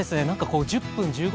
１０分、１５